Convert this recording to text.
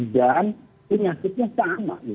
dan penyakitnya sama